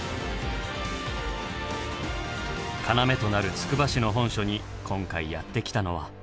要となるつくば市の本所に今回やって来たのは。